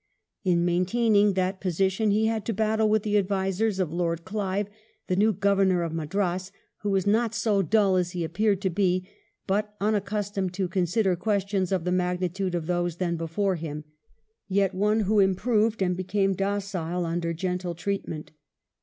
In maintaining that position he had to battle with the advisers of Lord Clive, the new Governor of Madras, who was not so dull as he appeared to be, but un accustomed to consider questions of the magnitude of those then before him, yet one who improved and became docile under gentle treatment.